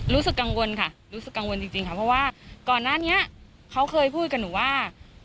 รู้สึกกังวลค่ะรู้สึกกังวลจริงค่ะเพราะว่าก่อนหน้านี้เขาเคยพูดกับหนูว่า